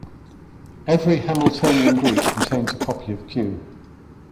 Every Hamiltonian group contains a copy of Q.